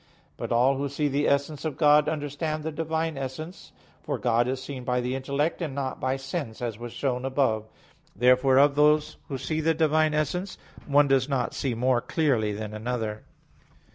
But all who see the essence of God, understand the Divine essence, for God is seen by the intellect and not by sense, as was shown above (A. 3). Therefore of those who see the divine essence, one does not see more clearly than another.